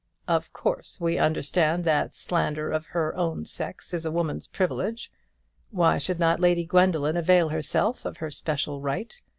"Of course, we understand that slander of her own sex is a woman's privilege. Why should not Lady Gwendoline avail herself of her special right?